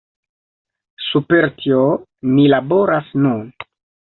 Super tio ni laboras nun.